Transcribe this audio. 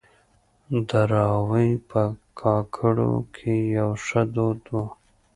دراوۍ په کاکړو کې يو ښه دود وه.